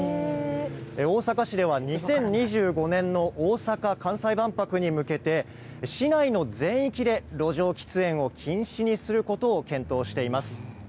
大阪市では２０２５年の大阪・関西万博に向けて、市内の全域で路上喫煙を禁止にすることを検討しています。